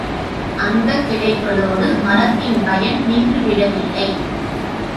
அந்தக் கிளைகளோடு மரத்தின் பயன் நின்று விடவில்லை.